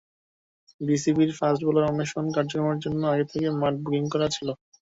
বিসিবির fast bowler অন্বেষণ কার্যক্রমের জন্য আগে থেকেই মাঠ বুকিং করা ছিল।